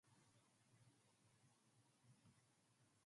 His younger brother is Sulley Muniru, who plays in the Romanian Liga One.